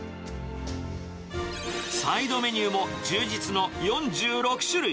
サイドメニューも充実の４６種類。